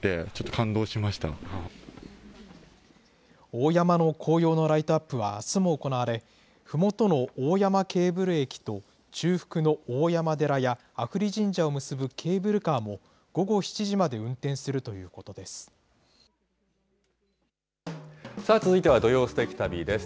大山の紅葉のライトアップはあすも行われ、ふもとの大山ケーブル駅と、中腹の大山寺や阿夫利神社を結ぶケーブルカーも、午後７時まで運さあ、続いては土曜すてき旅です。